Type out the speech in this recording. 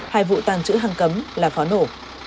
hai vụ tàng trữ hàng cấm là khó nổ